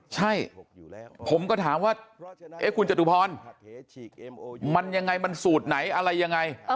ใช่ผมก็ถามว่าคุณจตุพรมันยังไงมันสูตรไหนอะไรยังไง